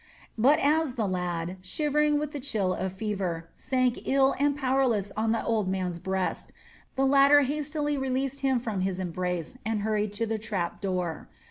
But as the lad, shivering with the chill of fever, sank ill and powerless on the old man's breast, the latter hastily released himself from his embrace and hurried to the trap door.